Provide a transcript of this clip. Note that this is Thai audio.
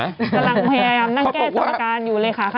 กำลังพยายามนั่งแก้สถาบันการณ์อยู่เลขาคณิต